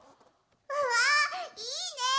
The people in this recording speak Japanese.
うわあいいね！